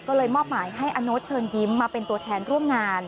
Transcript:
ก็เลยมอบหมายให้อโน๊ตเชิญยิ้มมาเป็นตัวแทนร่วมงาน